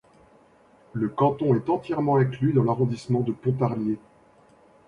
Le canton est entièrement inclus dans l'arrondissement de Pontarlier.